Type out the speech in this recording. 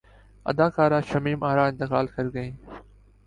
اداکارہ شمیم ارا انتقال کرگئیں